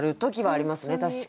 確かに。